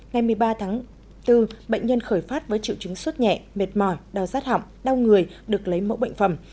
ngày một mươi ba tháng bốn bệnh nhân khởi phát với triệu chứng suốt nhẹ mệt mỏi đau rát hỏng đau người được lấy mẫu bệnh phẩm